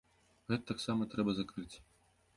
Гэта таксама трэба закрыць.